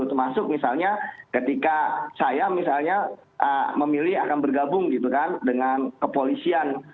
termasuk misalnya ketika saya misalnya memilih akan bergabung gitu kan dengan kepolisian